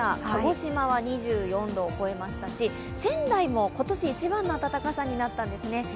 鹿児島は２４度を超えましたし仙台も今年一番の暖かさになったんですね。